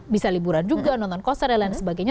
bisa liburan juga nonton konser dan lain sebagainya